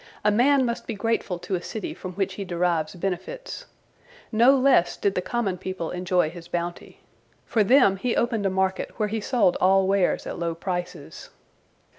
A man must be grateful to a city from which he derives benefits. No less did the common people enjoy his bounty. For them he opened a market where he sold all wares at low prices.